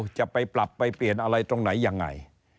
จะไปปรับไปเปลี่ยนอะไรตรงไหนยังไง